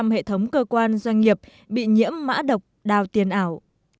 sáu mươi hệ thống cơ quan doanh nghiệp bị nhiễm mã độc đào tiền ảo